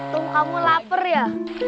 tunggu kamu lapar ya